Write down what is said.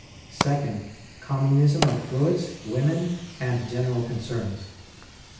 2°, Com munism of goods, women, and general concerns.